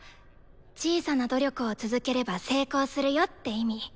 「小さな努力を続ければ成功するよ」って意味。